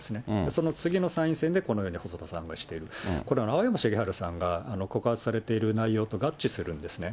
その次の参院選でこのように細田さんがしている、これ、青山しげはるさんが告発されている内容と合致するんですね。